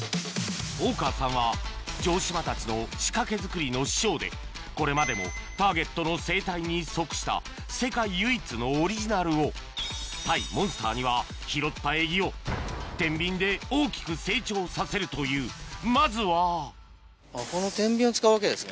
大川さんは城島たちの仕掛けづくりの師匠でこれまでもターゲットの生態に即した世界唯一のオリジナルを対モンスターには拾ったエギをテンビンで大きく成長させるというまずはこのテンビンを使うわけですね。